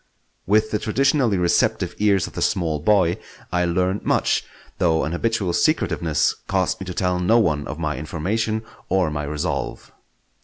With the traditionally receptive ears of the small boy, I learned much; though an habitual secretiveness caused me to tell no one of my information or my resolve.